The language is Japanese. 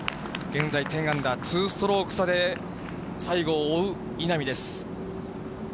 現在１０アンダー、２ストローク差で西郷を追う稲見です。